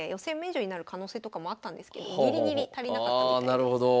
あなるほど。